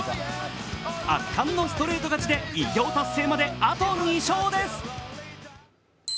圧巻のストレート勝ちで偉業達成まで、あと２勝です。